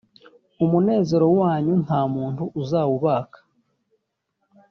umunezero wanyu nta muntu uzawubaka